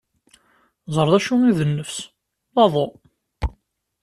Ẓer d acu i d nnefs: d aḍu.